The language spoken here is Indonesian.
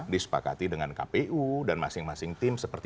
disepakati dengan kpu dan masing masing tim